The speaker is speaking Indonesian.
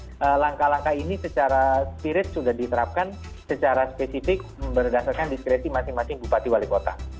jadi sebenarnya langkah langkah ini secara spirit sudah diterapkan secara spesifik berdasarkan diskreti masing masing bupati wali kota